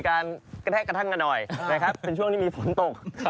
กระแทะกระทั่งกระด่อยเป็นช่วงที่มีฝนตก